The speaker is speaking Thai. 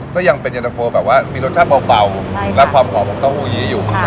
ก็ยังเป็นเย็นทะโฟแบบว่ามีรสชาติเบาเบาใช่ค่ะแล้วความหอมของเต้าหูยี้อยู่ค่ะ